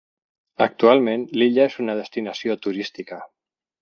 Actualment, l'illa és una destinació turística.